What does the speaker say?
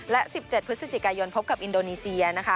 และ๑๗พฤศจิกายนพบกับอินโดนีเซียนะคะ